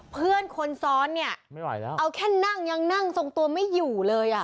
เพื่อนคนซ้อนเนี่ยเอาแค่นั่งยังนั่งทรงตัวไม่อยู่เลยอะ